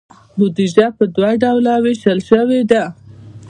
بودیجه په دوه ډوله ویشل شوې ده.